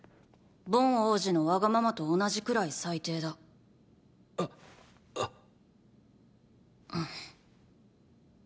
ボン王子のワガママと同じくらい最低だ。っぁ。